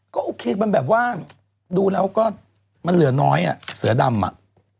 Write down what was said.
ก็โอเคมันแบบว่าดูแล้วก็มันเหลือน้อยอ่ะเสือดำอ่ะ